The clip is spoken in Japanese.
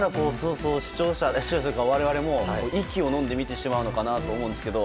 だから、我々も息をのんでみてしまうのかなと思うんですけど。